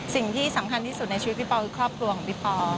สิ่งที่สำคัญที่สุดในชีวิตพี่ปอคือครอบครัวของพี่ปอ